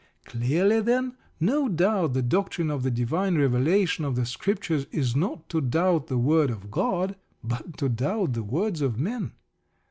Clearly, then, to doubt the doctrine of the divine revelation of the Scriptures is not to doubt the word of God, but to doubt the words of men.